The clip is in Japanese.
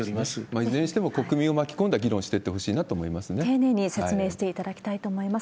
いずれにしても国民を巻き込んだ議論をしていってほしいなと丁寧に説明していただきたいと思います。